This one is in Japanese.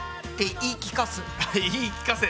言い聞かせる。